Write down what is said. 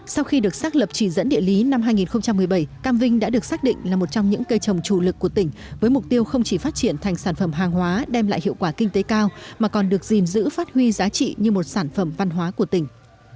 sau khi được xác lập chỉ dẫn địa lý năm hai nghìn một mươi bảy cam vinh đã được xác định là một trong những cây trồng chủ lực của tỉnh với mục tiêu không chỉ phát triển thành sản phẩm hàng hóa đem lại hiệu quả kinh tế cao mà còn được gìn giữ phát huy giá trị như một sản phẩm văn hóa của tỉnh